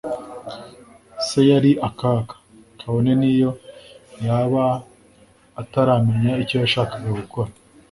Se yari akaga, kabone niyo yaba ataramenya icyo yashakaga gukora.